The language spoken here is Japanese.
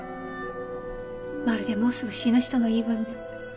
まるでもうすぐ死ぬ人の言い分ね。